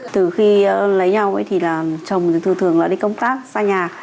từ khi lấy nhau thì là chồng thường đi công tác xa nhà